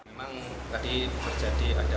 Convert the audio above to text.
memang tadi terjadi ada